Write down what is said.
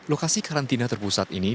lokasi karantina terpusat ini di asn